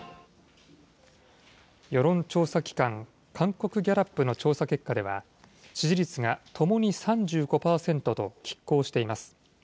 世論調査機関、韓国ギャラップの調査結果では、支持率がともに３５％と、きっ抗しています。